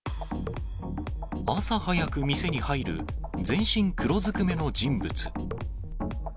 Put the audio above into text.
朝早く店に入る、全身黒ずくめの人物。